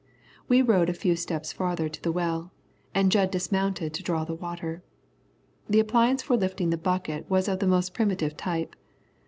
We rode a few steps farther to the well, and Jud dismounted to draw the water. The appliance for lifting the bucket was of the most primitive type.